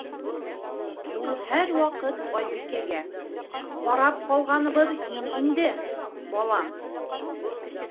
Ул һәр ваҡыт Айбикәгә: - Ҡарап ҡалғаныбыҙ һин инде, балам.